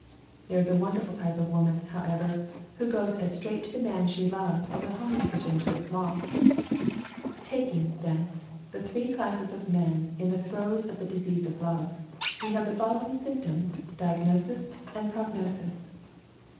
There is a wonderful type of woman, however, who goes as straight to the man she loves as a homing pigeon to its loft. Taking, then, the three classes of men in the throes of the disease of love, we have the following symptoms, diagnosis and prognosis.